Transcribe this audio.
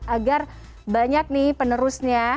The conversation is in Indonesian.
agar banyak nih penerusnya